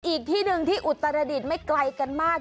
อีกที่หนึ่งที่อุตรดิษฐ์ไม่ไกลกันมาก